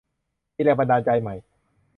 มีแรงบันดาลใจใหม่